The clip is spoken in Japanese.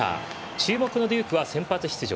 注目のデュークは先発出場。